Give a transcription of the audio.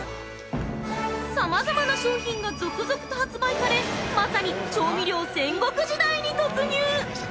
◆さまざまな商品が続々と発売され、まさに「調味料戦国時代」に突入！